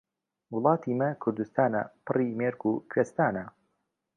وڵاتی مە کوردستانە، پڕی مێرگ و کوێستانە.